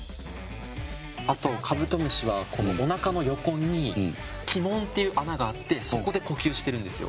あとカブトムシはおなかの横に気門っていう穴があってそこで呼吸してるんですよ。